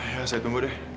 ya saya tunggu deh